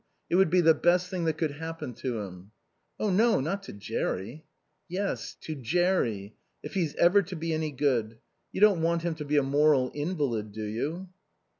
It would be the best thing that could happen to him." "Oh no, not to Jerry." "Yes. To Jerry. If he's ever to be any good. You don't want him to be a moral invalid, do you?"